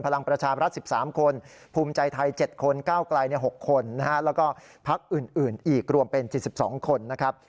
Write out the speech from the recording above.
แล้วก็พักอื่นอีกรวมเป็น๗๒คนนะครับ